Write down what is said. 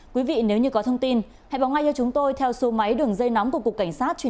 quý vị nếu như có thông tin hãy báo ngay cho chúng tôi theo số máy đường dây nóng của cục cảnh sát truyền hình